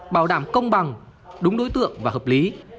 bảo đảm công bằng đúng đối tượng và hợp lý